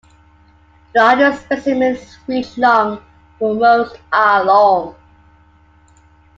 The largest specimens reach long, but most are long.